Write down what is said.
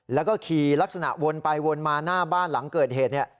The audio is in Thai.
แล้วก็ขี่ลักษณะวนไปวนมาหน้าบ้านหลังเกิดเหตุ